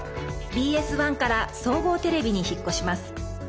ＢＳ１から総合テレビに引っ越します。